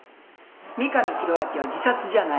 三上弘明は自殺じゃない。